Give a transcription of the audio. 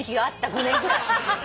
５年ぐらい。